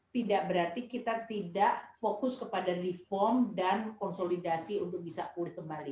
tidak berarti kita tidak fokus kepada reform dan konsolidasi untuk bisa pulih kembali